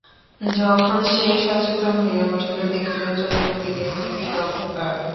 যখন সে সচেতন হইয়া উঠিল, দেখিল, চতুর্দিকে নিবিড় অন্ধকার।